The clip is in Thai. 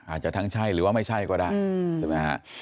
อาจจะทั้งใช่หรือว่าไม่ใช่ก็ได้อืม